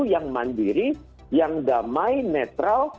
yang mandiri yang damai netral